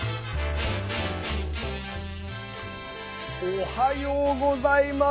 おはようございます。